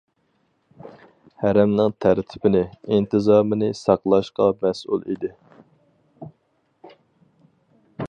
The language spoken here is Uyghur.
ھەرەمنىڭ تەرتىپىنى، ئىنتىزامىنى ساقلاشقا مەسئۇل ئىدى.